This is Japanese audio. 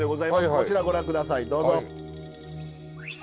こちらご覧下さいどうぞ。